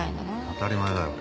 当たり前だよ。